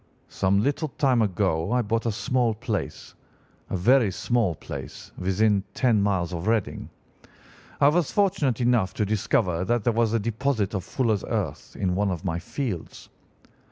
"'Some little time ago I bought a small place—a very small place—within ten miles of Reading. I was fortunate enough to discover that there was a deposit of fuller's earth in one of my fields.